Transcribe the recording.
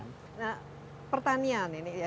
nah pertanian ini ya